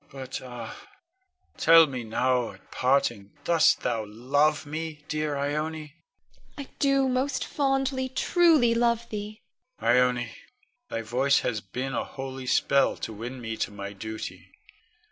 But ah! tell me now at parting dost thou love me, dear Ione? Ione. I do, most fondly, truly love thee. Con. Ione, thy voice hath been a holy spell to win me to my duty.